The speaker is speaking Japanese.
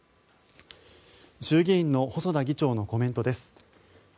衆議院の細田議長のコメントです。